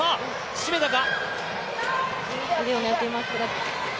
絞めたか。